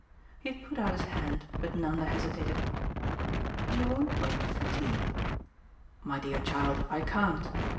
He had put out his hand, but Nanda hesitated. "You won't wait for tea?" "My dear child, I can't."